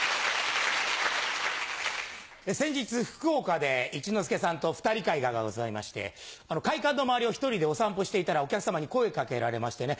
先日福岡で一之輔さんと二人会がございまして会館の周りを１人でお散歩していたらお客さまに声を掛けられましてね。